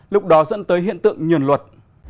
lúc đó dẫn tới hiện tượng nhuền luật